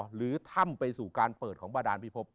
หรือถ้ำไปสู่การเปิดของบาดานพิภพ